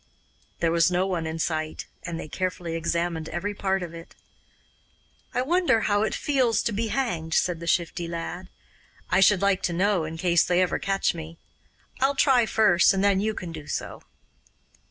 There was no one in sight, and they carefully examined every part of it. 'I wonder how it feels to be hanged,' said the Shifty Lad. 'I should like to know, in case they ever catch me. I'll try first, and then you can do so.